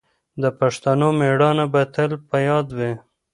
د پښتنو مېړانه به تل په یاد وي.